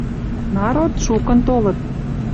Народ — шукын толыт.